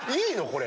これ。